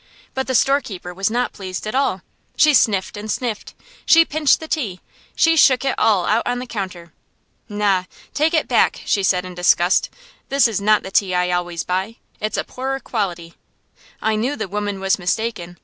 But the storekeeper was not pleased at all. She sniffed and sniffed, she pinched the tea, she shook it all out on the counter. "Na, take it back," she said in disgust; "this is not the tea I always buy. It's a poorer quality." I knew the woman was mistaken.